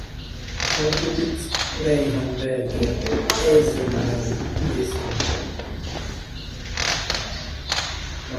Pardubitz-Reichenberger Eisenbahn részvényesei.